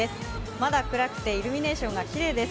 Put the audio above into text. まだ暗くてイルミネーションがきれいです。